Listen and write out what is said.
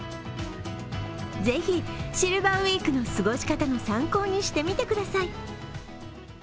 ぜひシルバーウィークの過ごし方の参考にしてみてください。